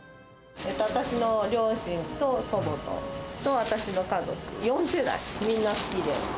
私の両親と祖母と私の家族、４世代、みんな好きで。